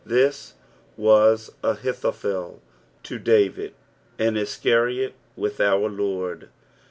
This was Ahithophel to David, and Iscariot with our Lord.